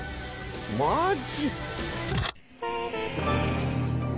マジ？